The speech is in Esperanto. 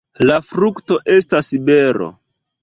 La frukto estas bero.